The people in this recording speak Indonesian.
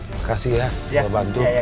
makasih ya sudah bantu